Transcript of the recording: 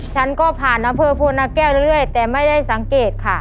ฉันก็ผ่านอำเภอโพนาแก้วเรื่อยแต่ไม่ได้สังเกตค่ะ